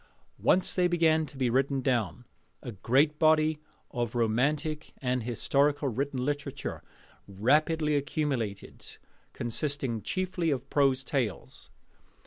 Once they began to be written down, a great body of romantic and historical written literature rapidly accumulated, consisting chiefly of prose tales.